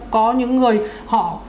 có những người họ